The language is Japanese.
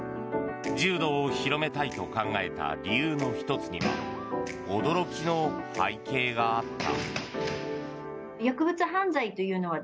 柔道を広めたいと考えた理由の１つには驚きの背景があった。